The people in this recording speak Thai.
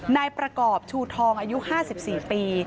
นายประกอบชูทองอายุ๕๔ปี